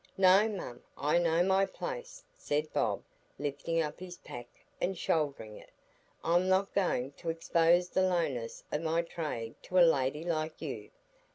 "No, mum, I know my place," said Bob, lifting up his pack and shouldering it. "I'm not going t' expose the lowness o' my trade to a lady like you.